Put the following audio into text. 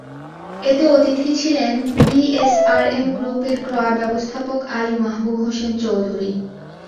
এতে অতিথি ছিলেন বিএসআরএম গ্রুপের ক্রয় ব্যবস্থাপক আলী মাহবুব হোসেন চৌধুরী।